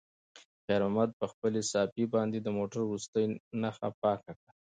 خیر محمد په خپلې صافې باندې د موټر وروستۍ نښه پاکه کړه.